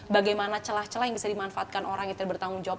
bagaimana celah celah yang bisa dimanfaatkan orang yang tidak bertanggung jawab